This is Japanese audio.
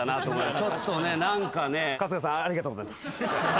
ちょっとね何かね。